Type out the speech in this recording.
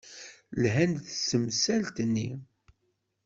Lhan-d s temsalt-nni.